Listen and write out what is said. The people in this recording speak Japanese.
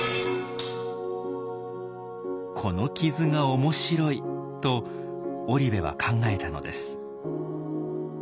この傷が面白いと織部は考えたのです。